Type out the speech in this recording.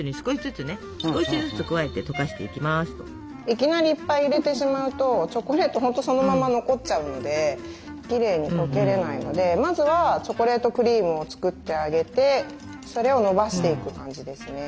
いきなりいっぱい入れてしまうとチョコレート本当そのまま残っちゃうのできれいにとけれないのでまずはチョコレートクリームを作ってあげてそれをのばしていく感じですね。